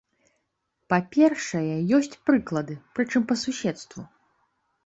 Па-першае ёсць прыклады, прычым па суседству.